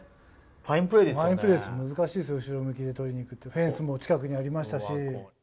ファインプレーです、難しいですよ、後ろ向きで捕りに行くって、フェンスも近くにありましたし。